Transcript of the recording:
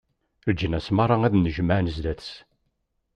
Leǧnas meṛṛa ad d-nnejmaɛen zdat-s.